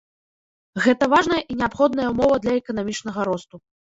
Гэта важная і неабходная ўмова для эканамічнага росту.